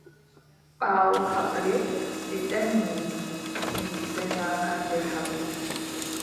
Ɓaawo haɓre ɓe danyi mi, mi danyaaka nder haɓre.